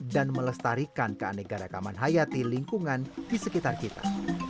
dan melestarikan keanegaraan kaman hayati lingkungan di sekitar kita